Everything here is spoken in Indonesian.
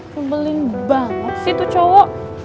ngebelin banget sih itu cowo